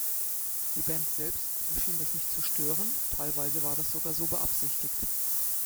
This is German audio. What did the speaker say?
Die Band selbst schien das nicht zu stören, teilweise war das sogar so beabsichtigt.